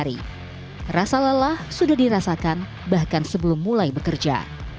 setelah berjalan sepanjang sehari rasa lelah sudah dirasakan bahkan sebelum mulai bekerja